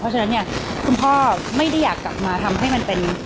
เพราะฉะนั้นเนี่ยคุณพ่อไม่ได้อยากกลับมาทำให้มันเป็น